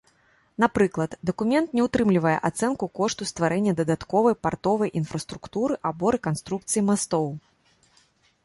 Напрыклад, дакумент не ўтрымлівае ацэнку кошту стварэння дадатковай партовай інфраструктуры або рэканструкцыі мастоў.